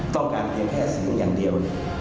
ต้องการเพียงแค่สิงอย่างเดียว